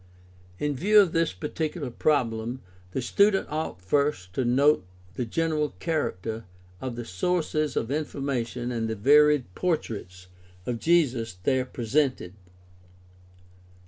— In view of this peculiar problem the student ought first to note the general character of the sources of information and the varied portraits of Jesus there presented.